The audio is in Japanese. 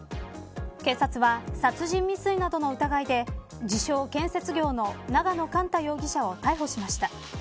警察は殺人未遂などの疑いで自称、建設業の永野莞太容疑者を逮捕しました。